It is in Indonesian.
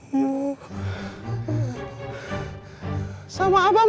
bareng atau takut